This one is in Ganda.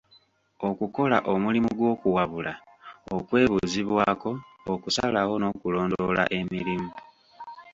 Okukola omulimu gw'okuwabula, okwebuuzibwako, okusalawo n'okulondoola emirimu.